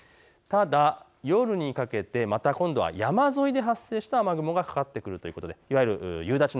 ただ夜にかけてまた今度は山沿いで発生した雨雲がかかってくるという。